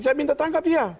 saya minta tangkap dia